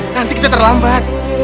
nanti kita terlambat